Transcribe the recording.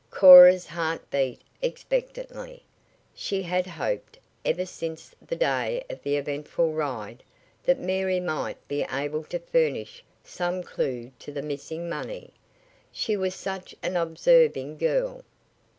Cora's heart beat expectantly. She had hoped, ever since the day of the eventful ride, that Mary might be able to furnish some clue to the missing money. She was such an observing girl.